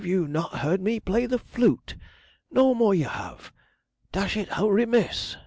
You've not heard me play the flute! No more you have. Dash it, how remiss!'